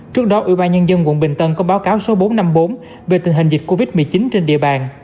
trước đó ủy ban nhân dân quận bình tân có báo cáo số bốn trăm năm mươi bốn về tình hình dịch covid một mươi chín trên địa bàn